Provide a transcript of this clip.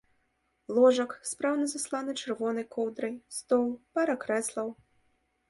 Ложак, спраўна засланы чырвонай коўдрай, стол, пара крэслаў.